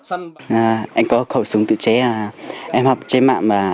anh có khẩu súng tự chế em học trên mạng